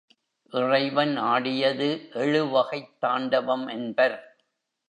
இறைவன் ஆடியது எழுவகைத் தாண்டவம் என்பர்.